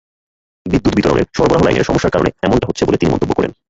বিদ্যুৎ বিতরণের সরবরাহ লাইনের সমস্যার কারণে এমনটা হচ্ছে বলে তিনি মন্তব্য করেন।